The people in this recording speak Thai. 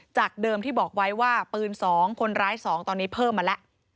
จากเดิมที่บอกไว้ว่าปืน๒คนร้าย๒ตอนนี้เพิ่มมาแล้ว